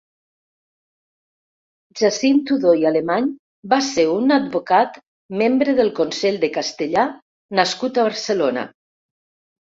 Jacint Tudó i Alemany va ser un advocat membre del Consell de Castellà nascut a Barcelona.